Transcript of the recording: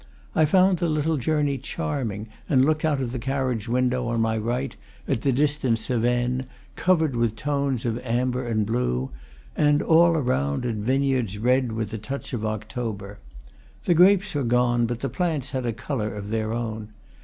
I found the little journey charming, and looked out of the carriage win dow, on my right, at the distant Cevennes, covered with tones of amber and blue, and, all around, at vineyards red with the touch of October. The grapes were gone, but the plants had a color of their own.